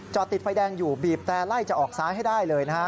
จอดติดไฟแดงอยู่บีบแต่ไล่จะออกซ้ายให้ได้เลยนะฮะ